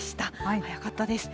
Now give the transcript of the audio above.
早かったです。